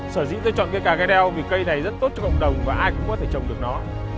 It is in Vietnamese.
sở dĩ tôi chọn cây cà cây đeo vì cây này rất tốt cho cộng đồng và ai cũng có thể trồng được nó